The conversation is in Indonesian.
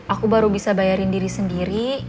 aku baru bisa bayarin diri sendiri